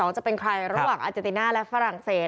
จะเป็นใครระหว่างอาเจติน่าและฝรั่งเศส